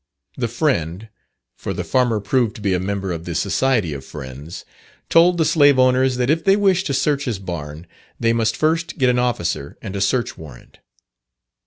The Friend, for the farmer proved to be a member of the Society of Friends, told the slave owners that if they wished to search his barn, they must first get an officer and a search warrant.